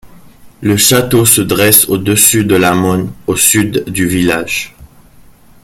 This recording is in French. Le château se dresse au-dessus de la Monne, au sud du village.